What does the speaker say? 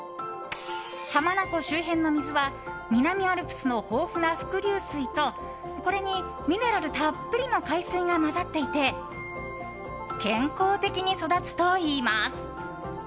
浜名湖周辺の水は南アルプスの豊富な伏流水とこれにミネラルたっぷりの海水が混ざっていて健康的に育つといいます。